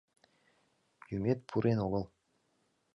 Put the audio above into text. Юмет пӱрен огыл.